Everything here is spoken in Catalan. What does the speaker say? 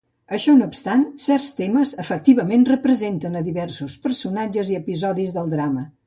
Això no obstant, certs temes efectivament representen a diversos personatges i episodis del drama.